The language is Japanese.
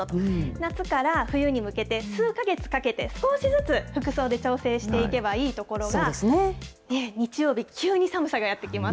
夏から冬に向けて、数か月かけて、少しずつ服装で調節していけばいいところが、日曜日、急に寒さがやってきます。